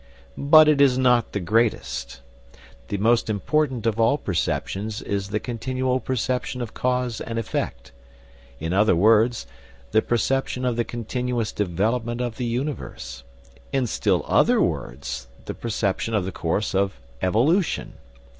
But it is not the greatest. The most important of all perceptions is the continual perception of cause and effect in other words, the perception of the continuous development of the universe in still other words, the perception of the course of evolution.